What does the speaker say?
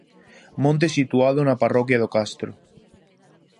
Monte situado na parroquia do Castro.